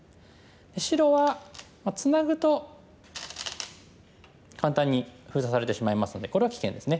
白はツナぐと簡単に封鎖されてしまいますのでこれは危険ですね。